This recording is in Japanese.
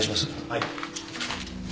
はい。